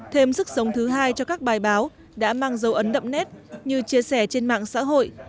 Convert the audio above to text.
thêm sức sống thứ hai cho các bài báo đã mang dấu ấn đậm nét như chia sẻ trên mạng xã hội